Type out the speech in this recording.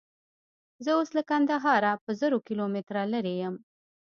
زه اوس له کندهاره په زرو کیلومتره لیرې یم.